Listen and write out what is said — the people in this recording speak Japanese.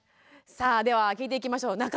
さあでは聞いていきましょう。